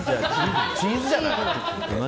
チーズじゃない？